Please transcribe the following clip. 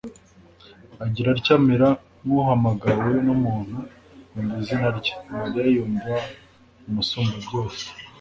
agira atya amera nk'uhamagawe n'umuntu, yumva izina rye. mariya yumva umusumbabyose